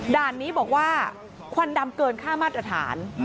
ด่านนี้บอกว่าควันดำเกินค่ามาตรฐาน